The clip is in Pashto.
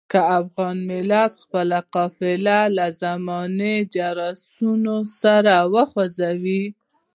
که افغان ملت خپله قافله له زماني جرسونو سره وخوځوي.